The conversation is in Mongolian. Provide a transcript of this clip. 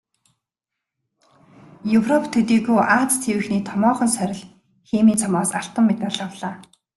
Европ төдийгүй Ази тивийнхний томоохон сорил "Химийн цом"-оос алтан медаль авлаа.